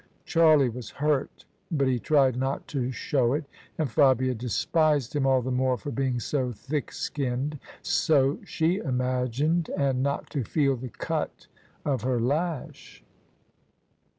Charlie was hurt, but he tried not to show it; and Fabia despised him all the more for being so thick skinned, so she imagined; as not to feel the cut of her lash.